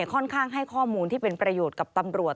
ค่อนข้างให้ข้อมูลที่เป็นประโยชน์กับตำรวจ